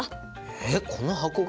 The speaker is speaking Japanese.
えこの箱が？